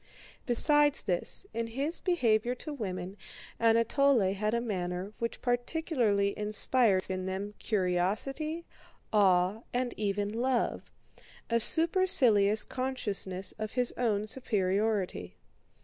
Besides this, in his behavior to women Anatole had a manner which particularly inspires in them curiosity, awe, and even love—a supercilious consciousness of his own superiority.